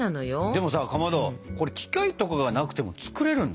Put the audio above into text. でもさかまどこれ機械とかがなくても作れるんだね。